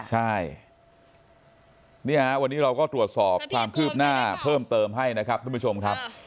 ใช่นี่ฮะวันนี้เราก็ตรวจสอบความคืบหน้าเพิ่มเติมให้นะครับทุกผู้ชมครับ